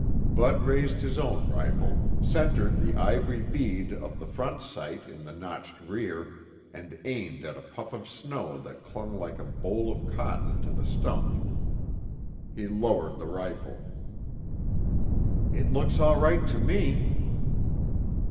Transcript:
Bud raised his own rifle, centered the ivory bead of the front sight in the notched rear, and aimed at a puff of snow that clung like a boll of cotton to the stump. He lowered the rifle. "It looks all right to me."